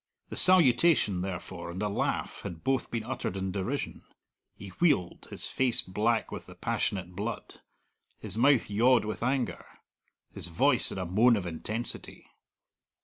The salutation, therefore, and the laugh, had both been uttered in derision. He wheeled, his face black with the passionate blood. His mouth yawed with anger. His voice had a moan of intensity.